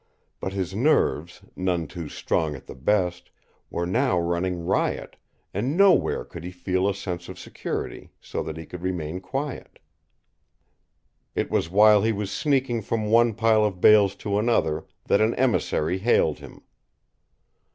But his nerves, none too strong at the best, were now running riot, and nowhere could he feel a sense of security so that he could remain quiet. It was while he was sneaking from one pile of bales to another that an emissary hailed him.